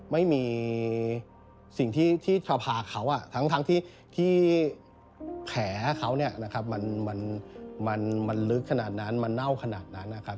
ไม่มีสิ่งที่สภาเขาทั้งที่แผลเขาเนี่ยนะครับมันลึกขนาดนั้นมันเน่าขนาดนั้นนะครับ